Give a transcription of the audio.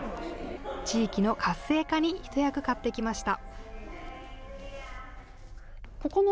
地域の活性化に一役買ってきました。